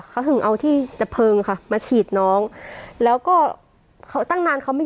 เขาถึงเอาที่ดับเพลิงค่ะมาฉีดน้องแล้วก็เขาตั้งนานเขาไม่